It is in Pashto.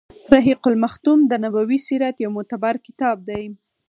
رحيق المختوم د نبوي سیرت يو معتبر کتاب دی.